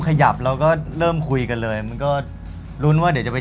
คุณหมูสุรรี่